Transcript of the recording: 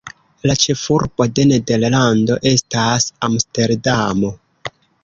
La ĉefurbo de Nederlando estas Amsterdamo.